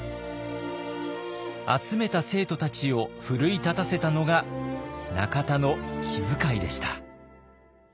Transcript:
集めた生徒たちを奮い立たせたのが中田の気づかいでした。